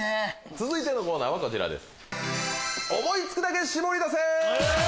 続いてのコーナーはこちらです。